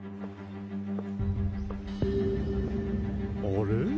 あれ？